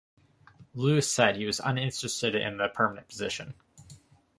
Lewis said he was uninterested in the permanent position.